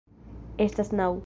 Estas naŭ.